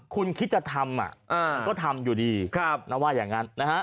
คุณคิดจะทำคุณก็ทำอยู่ดีนะว่าอย่างนั้นนะฮะ